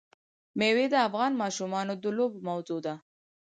مېوې د افغان ماشومانو د لوبو موضوع ده.